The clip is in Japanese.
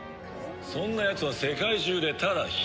「そんなやつは世界中でただ一人」